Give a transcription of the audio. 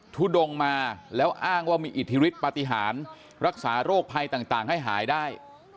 ทุดงมาแล้วอ้างว่ามีอิทธิฤทธิปฏิหารรักษาโรคภัยต่างให้หายได้